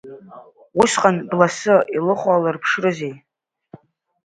Усҟан бласы илыхәалырԥшрызеи?!